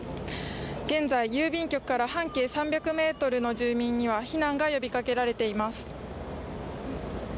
現在、郵便局から半径３００ｍの住民には避難が呼びかけられています。